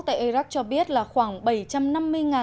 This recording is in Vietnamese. tại iraq cho biết là khoảng